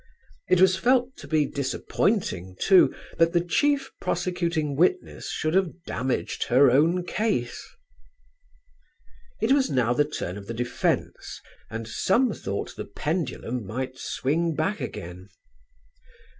It was felt to be disappointing, too, that the chief prosecuting witness should have damaged her own case. It was now the turn of the defence, and some thought the pendulum might swing back again.